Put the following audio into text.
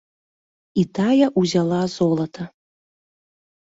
І тая ўзяла золата.